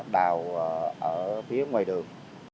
đào ở phía ngoài đường